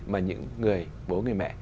mà những người bố người mẹ